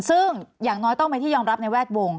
ซึ่งอย่างน้อยต้องเป็นที่ยอมรับในแวดวง